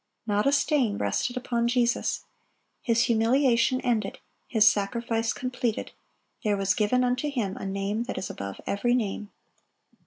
(885) Not a stain rested upon Jesus. His humiliation ended, His sacrifice completed, there was given unto Him a name that is above every name.